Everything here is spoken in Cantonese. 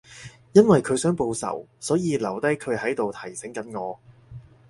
因為佢想報仇，所以留低佢喺度提醒緊我